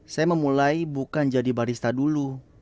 saya memulai bukan jadi barista dulu